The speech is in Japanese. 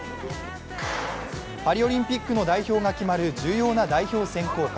パリオリンピックの代表が決まるる重要な代表選考会。